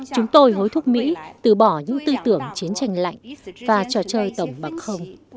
chúng tôi hối thúc mỹ từ bỏ những tư tưởng chiến tranh lạnh và trò chơi tổng bạc không